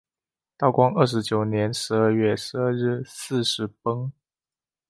道光二十九年十二月十二日巳时崩。